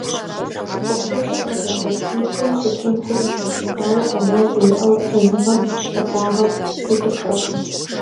Лӏыхъужьыр къызыхуэтыншэу щытын хуейкъым, ауэ ӏэмал имыӏэу пэжыгъэм, хахуагъэм тетыпхъэщ.